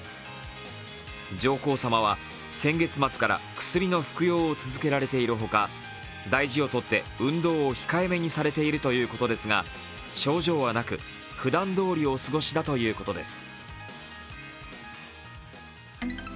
上皇さまは先月末から薬の服用を続けられているほか大事を取って運動を控えめにされているということですが、症状はなく、ふだんどおりお過ごしだということです。